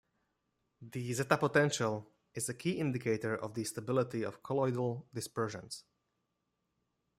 The zeta potential is a key indicator of the stability of colloidal dispersions.